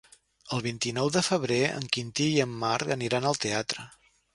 El vint-i-nou de febrer en Quintí i en Marc aniran al teatre.